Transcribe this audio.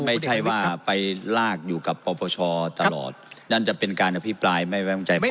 ไม่ใช่ว่าไปลากอยู่กับปปชตลอดนั่นจะเป็นการอภิปรายไม่ไว้วางใจไม่ได้